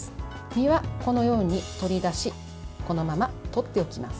身はこのように取り出しこのまま取っておきます。